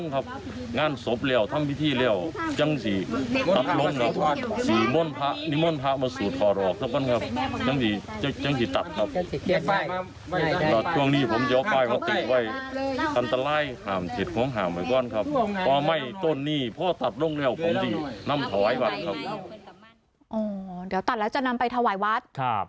อ๋อเดี๋ยวตัดแล้วจะนำไปถวายวัด